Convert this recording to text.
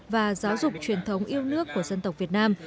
và giáo dục truyền thống yêu nước của dân tộc việt nam